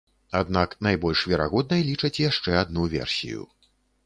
Аднак найбольш верагоднай лічаць яшчэ адну версію.